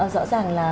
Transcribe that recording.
rõ ràng là